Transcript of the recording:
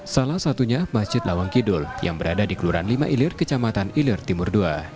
salah satunya masjid lawang kidul yang berada di kelurahan lima ilir kecamatan ilir timur ii